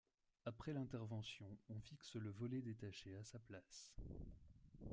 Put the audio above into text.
Après l'intervention on fixe le volet détaché à sa place.